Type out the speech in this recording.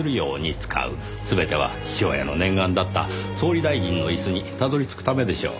全ては父親の念願だった総理大臣の椅子にたどり着くためでしょう。